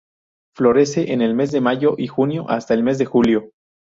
Florece en el mes de mayo y junio, hasta el mes de julio.